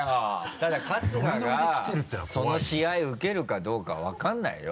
ただ春日がその試合受けるかどうか分からないよ